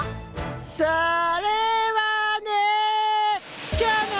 それはね。